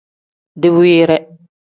Diwiire.